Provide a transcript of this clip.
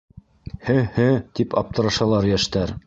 — Һе-һе, — тип аптырашалар йәштәр.